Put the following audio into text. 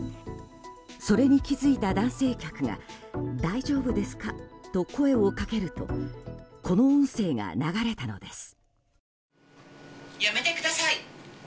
それに気づいた男性客が大丈夫ですか？と声をかけるとこの音声が流れたのです。